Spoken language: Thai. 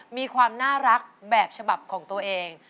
มีความน่ารักแบบฉบับของตัวเอง